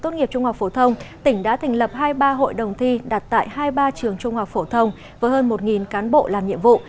trong trường trung học phổ thông tỉnh đã thành lập hai mươi ba hội đồng thi đặt tại hai mươi ba trường trung học phổ thông với hơn một cán bộ làm nhiệm vụ